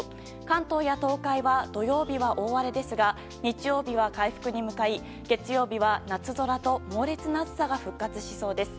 関東や東海は土曜日は大荒れですが日曜日は回復に向かい月曜日は夏空と猛烈な暑さが復活しそうです。